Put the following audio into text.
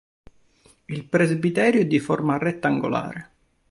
Il presbiterio è di forma rettangolare.